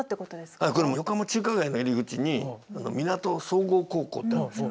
はいこれも横浜中華街の入り口にみなと総合高校ってあるんですよ。